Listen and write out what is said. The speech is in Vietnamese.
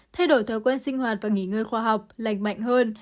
thay đổi thói quen sinh hoạt và nghỉ ngơi khoa học lành mạnh hơn